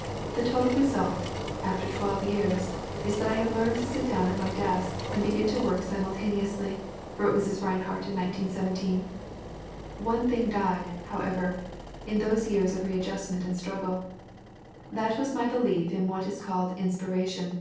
' "The total result ... after twelve years is that I have learned to sit down at my desk and begin work simultaneously," wrote Mrs. Rinehart in 1917. "One thing died, however, in those years of readjustment and struggle. That was my belief in what is called 'inspiration.'